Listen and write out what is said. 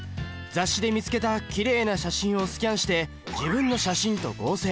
雑誌で見つけたきれいな写真をスキャンして自分の写真と合成。